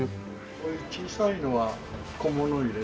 こういう小さいのは小物入れ。